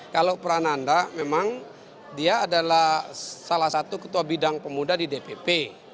kalau prananda memang dia adalah salah satu ketua bidang pemuda di dpp